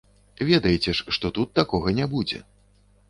Ведаеце ж, што тут такога не будзе.